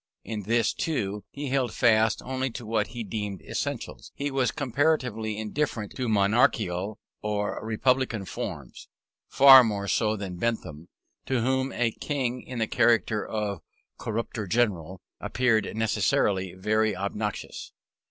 In this, too, he held fast only to what he deemed essentials; he was comparatively indifferent to monarchical or republican forms far more so than Bentham, to whom a king, in the character of "corrupter general," appeared necessarily very noxious.